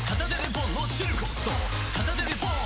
片手でポン！